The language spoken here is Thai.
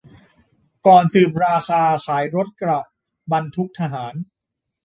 ก่อนสืบราคาขายรถเกราะ-บรรทุกทหาร